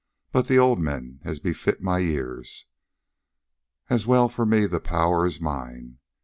But the old men, as befits my years. And well for me the power is mine.